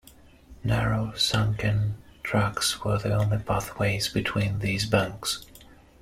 Narrow sunken tracks were the only pathways between these banks.